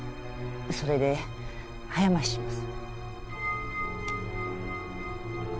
それで早回しします。